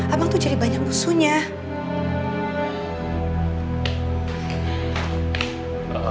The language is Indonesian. abang tuh jadi banyak musuhnya